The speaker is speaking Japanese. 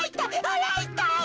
あらいたい。